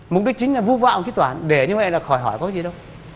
mục đích chính là vu vọng thủ đoạn để như vậy là khỏi hỏi có gì đâu